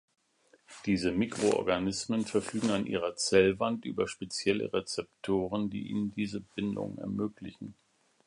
Diese Mikroorganismen verfügen an ihrer Zellwand über spezielle Rezeptoren, die ihnen diese Bindung ermöglichen.